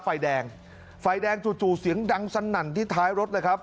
ไฟแดงไฟแดงจู่จู่เสียงดังสนั่นที่ท้ายรถเลยครับ